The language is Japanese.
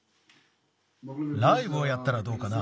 ライブをやったらどうかな？